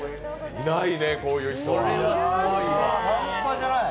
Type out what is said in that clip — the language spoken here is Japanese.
いないね、こういう人は。